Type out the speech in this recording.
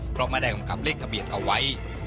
เพราะไม่ได้กำเลขทะเบียนเอาไว้